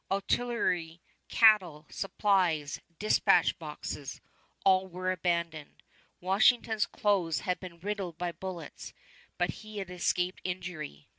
Artillery, cattle, supplies, dispatch boxes, all were abandoned. Washington's clothes had been riddled by bullets, but he had escaped injury.